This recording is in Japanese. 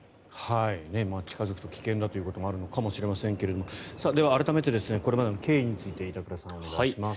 近付くと危険だということもあるのかもしれませんがでは、改めてこれまでの経緯について板倉さん、お願いします。